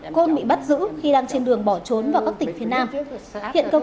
do mâu thuẫn vào các tỉnh phía nam hiện cơ quan cảnh sát điều tra công an thành phố hải phòng